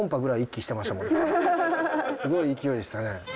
すごい勢いでしたね。